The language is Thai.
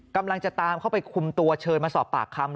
กำลังจะตามเข้าไปคุมตัวเชิญมาสอบปากคำ